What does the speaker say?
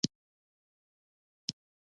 د تخمدان د درد لپاره باید څه وکړم؟